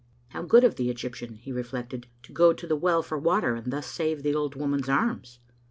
How good of the Egyptian, he refle^<:ed, to go to the well for water, and thus save the old woman's arms!